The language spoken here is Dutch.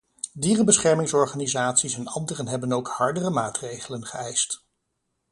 Dierenbeschermingsorganisaties en anderen hebben ook hardere maatregelen geëist.